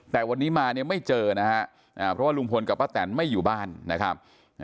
แต่วันนี้มาเนี่ยไม่เจอนะฮะเพราะว่าลุงพลกับป้าแตนไม่อยู่บ้านนะครับ